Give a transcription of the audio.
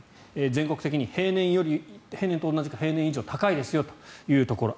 全国的に平年と同じか平年以上に高いですよというところ。